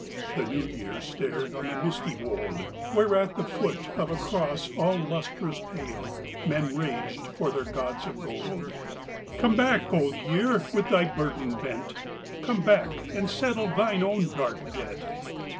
" The New Year stared on the misty wold, Where at foot of a cross all lustrous pale Men raged for their gods of gold. " Come back, Old Year, with thy burden bent. Come back and settle thine own dark debt."